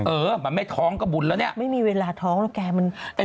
เออมันไม่ท้องก็บุญแล้วเนี่ยไม่มีเวลาท้องแล้วแกมันแต่